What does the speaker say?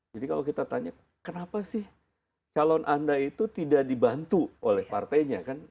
jadi kalau kita tanya kenapa sih calon anda itu tidak dibantu oleh partainya